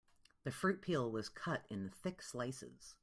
The fruit peel was cut in thick slices.